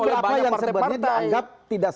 ada beberapa yang sebenarnya dianggap tidak